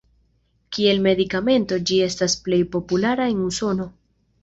Kiel medikamento ĝi estas plej populara en Usono.